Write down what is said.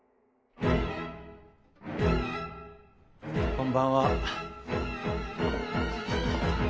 こんばんは。